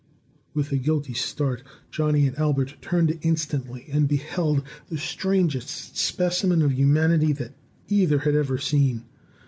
With a guilty start, Johnny and Albert turned instantly, and beheld the strangest specimen of humanity that either had ever seen.